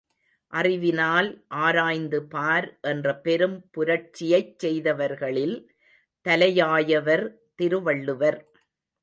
அறிவினால் ஆராய்ந்து பார் என்ற பெரும் புரட்சியைச் செய்தவர்களில் தலையாயவர் திருவள்ளுவர்.